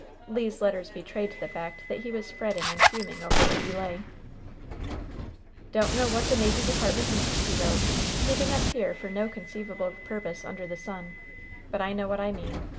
Le's letters betrayed the fact that he was fretting and fuming over the delay. "DonH know what the navy department means," he wrote, ^^eeping us here for no conceivable purpose under the sun. But I know what I mean.